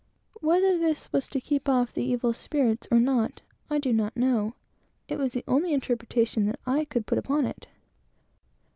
Whether this was to keep off the evil spirits or not, I do not know. It was the only interpretation that I could put upon it.